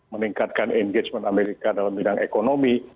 meningkatkan engagement amerika dalam bidang ekonomi